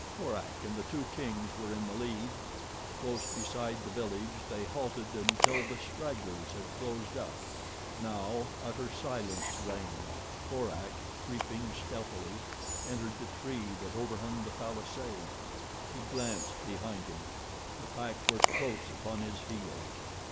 Korak and the two kings were in the lead. Close beside the village they halted until the stragglers had closed up. Now utter silence reigned. Korak, creeping stealthily, entered the tree that overhung the palisade. He glanced behind him. The pack were close upon his heels.